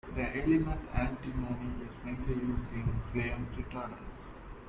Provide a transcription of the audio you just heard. The element antimony is mainly used in flame retardants.